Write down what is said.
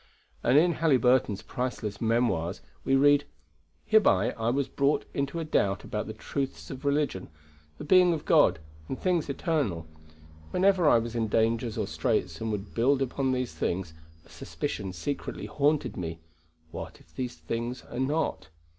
And in Halyburton's priceless Memoirs we read: "Hereby I was brought into a doubt about the truths of religion, the being of God, and things eternal. Whenever I was in dangers or straits and would build upon these things, a suspicion secretly haunted me, what if the things are not?